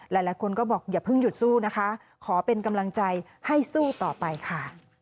หลายคนก็บอกอย่าเพิ่งหยุดสู้นะคะขอเป็นกำลังใจให้สู้ต่อไปค่ะ